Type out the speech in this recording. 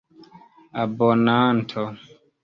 abonanto